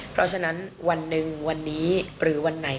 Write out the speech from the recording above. เพราะฉะนั้นวันหนึ่งวันนี้หรือวันไหน